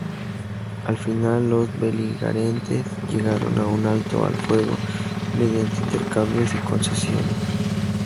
Al final los beligerantes llegaron a un alto al fuego mediante intercambios y concesiones.